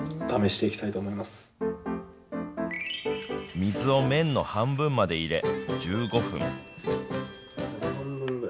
水を麺の半分まで入れ、１５分。